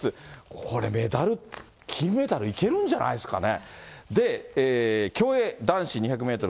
これメダル、金メダル、いけるんじゃないですかね。